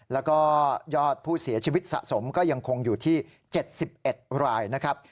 แล้วก็ยอดผู้เสียชีวิตสะสมก็ยังคงอยู่ที่๗๑รายนะครับ